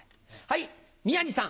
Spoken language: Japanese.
はい。